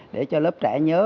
để cho lớp trẻ nhớ